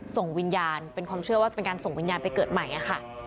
ส่งวิญญาณเป็นความเชื่อว่าเป็นการส่งวิญญาณไปเกิดใหม่ค่ะ